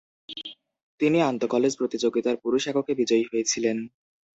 তিনি আন্তঃকলেজ প্রতিযোগিতার পুরুষ এককে বিজয়ী হয়েছিলেন।